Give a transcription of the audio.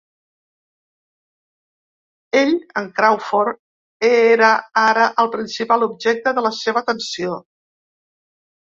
Ell, en Crawford, era ara el principal objecte de la seva atenció.